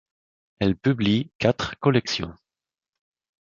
Elle publie quatre collections.